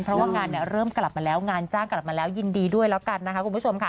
เพราะว่างานเริ่มกลับมาแล้วงานจ้างกลับมาแล้วยินดีด้วยแล้วกันนะคะคุณผู้ชมค่ะ